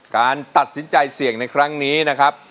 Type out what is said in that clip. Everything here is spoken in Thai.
การตัดสินใจเสี่ยงในครั้งนี้นะครับ